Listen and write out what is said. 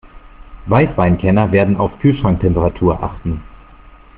Weißweinkenner werden auf Kühlschranktemperatur achten.